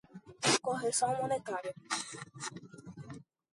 correção monetária